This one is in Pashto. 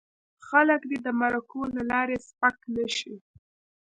خلک دې د مرکو له لارې سپک نه شي.